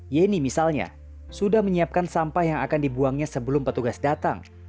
yeni misalnya sudah menyiapkan sampah yang akan dibuangnya sebelum petugas datang